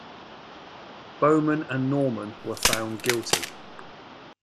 Bowman and Norman were found guilty.